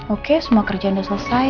oke semua kerjaan udah selesai